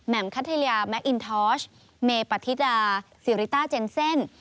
แหม่มคัทเทลียแมคอินทอร์ชเมปาธิดาซิริตาเจนเซ่น